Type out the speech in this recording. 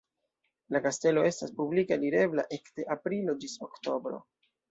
La kastelo estas publike alirebla ekde aprilo ĝis oktobro.